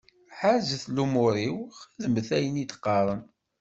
Ḥerzet lumuṛ-iw, xeddmet ayen i d-qqaren.